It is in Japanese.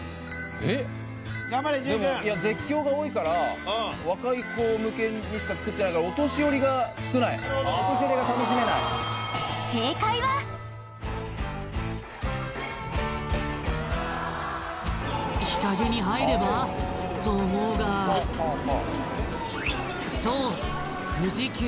えっでも絶叫が多いから若い子向けにしかつくってないからお年寄りが少ないお年寄りが楽しめない正解は日陰に入れば？と思うがそう富士急